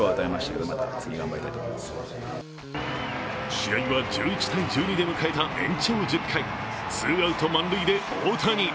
試合は１１−１２で迎えた延長１０回、ツーアウト満塁で大谷。